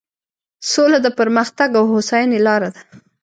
سوله د پرمختګ او هوساینې لاره ده.